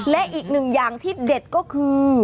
และอีกหนึ่งอย่างที่เด็ดก็คือ